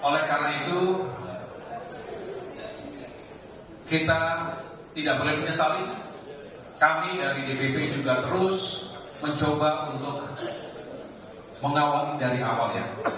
oleh karena itu kita tidak boleh menyesali kami dari dpp juga terus mencoba untuk mengawal dari awalnya